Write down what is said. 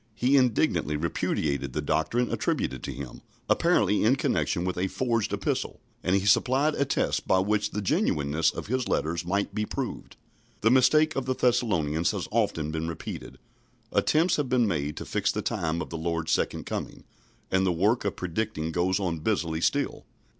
He indignantly repudiated the doctrine attributed to him, apparently in connection with a forged epistle, and he supplied a test by which the genuineness of his letters might be proved. The mistake of the Thessalonians has often been repeated. Attempts have been made to fix the time of the Lord's second coming, and the work of predicting goes on busily still.